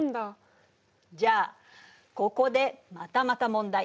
じゃあここでまたまた問題。